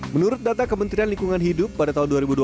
menurut data kementerian lingkungan hidup pada tahun dua ribu dua puluh